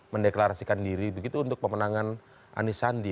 mendeklarasikan diri begitu untuk pemenangan anisandi